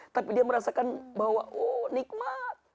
tapi dia merasakan bahwa oh nikmat